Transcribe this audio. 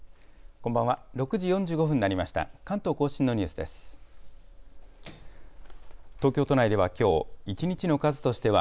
こんばんは。